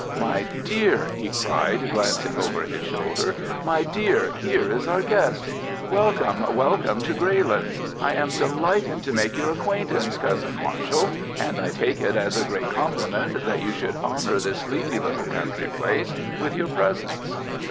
"My dear!" he cried, glancing over his shoulder; "my dear, here is our guest! Welcome, welcome to Greylands! I am delighted to make your acquaintance, Cousin Marshall, and I take it as a great compliment that you should honour this sleepy little country place with your presence."